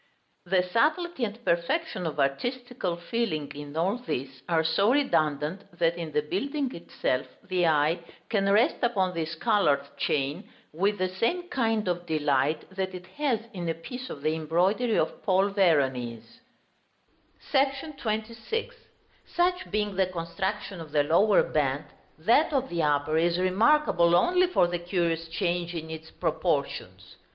The subtlety and perfection of artistical feeling in all this are so redundant, that in the building itself the eye can rest upon this colored chain with the same kind of delight that it has in a piece of the embroidery of Paul Veronese. [Illustration: Fig. II.] § XXVI. Such being the construction of the lower band, that of the upper is remarkable only for the curious change in its proportions.